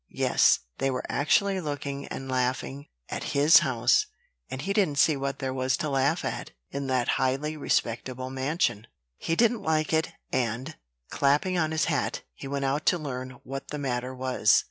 Yes; they were actually looking and laughing at his house; and he didn't see what there was to laugh at in that highly respectable mansion. He didn't like it; and, clapping on his hat, he went out to learn what the matter was.